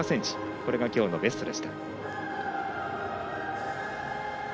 これがきょうのベストでした。